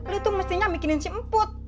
lu tuh mestinya mikinin si emput